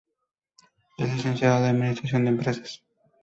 Es Licenciado en administración de empresas.